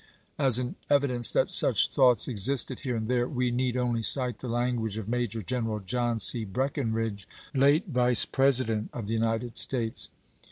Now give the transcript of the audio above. As an evi dence that such thoughts existed here and there we need only cite the language of Major General John C. Breckinridge, late Vice President of the United States.